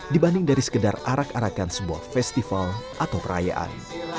dibanding dari sekedar arak arakan sebuah festival atau perayaan